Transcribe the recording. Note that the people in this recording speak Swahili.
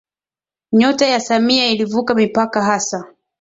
Nyota ya Samia ilivuka mipaka hasa